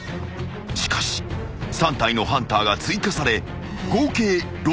［しかし３体のハンターが追加され合計６体］